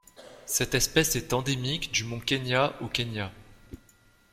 Cette espèce est endémique du mont Kenya au Kenya.